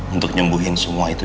untuk nyembuhin semua itu